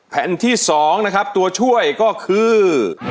แผ่นที่๒นะครับตัวช่วยก็คือ